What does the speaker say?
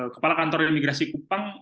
kepala kantor imigrasi kupang